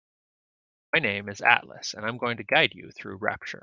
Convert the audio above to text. My name is Atlas and I'm going to guide you through Rapture.